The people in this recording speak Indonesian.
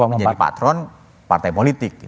menjadi patron partai politik